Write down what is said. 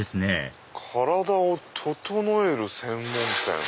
「身体を整える専門店」。